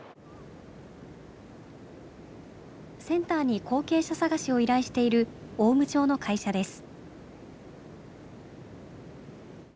センターに後継者探しを依頼している雄武町の会社です。